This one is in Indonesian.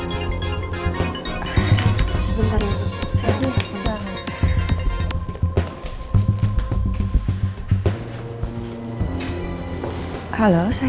kalo saya baru offered linden ska mengunduh dendamnya gak apa sama ibu